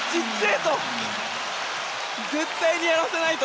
絶対にやらせないと。